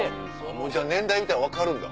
もうじゃあ年代見たら分かるんだ。